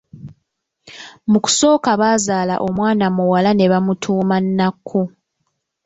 Mu kusooka bazaala omwana muwala ne bamutuuma Nakku.